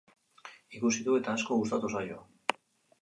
Ikusi du, eta asko gustatu zaio.